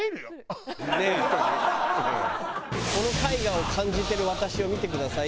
この絵画を感じてる私を見てください。